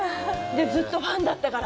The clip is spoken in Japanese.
ずっとファンだったから。